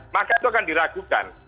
maka itu akan diragukan